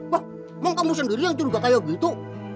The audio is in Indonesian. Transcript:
wah emang kamu sendiri yang curiga kayak gitu